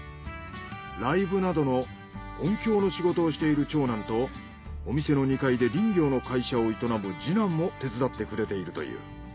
ライブなどの音響の仕事をしている長男とお店の２階で林業の会社を営む次男も手伝ってくれているという。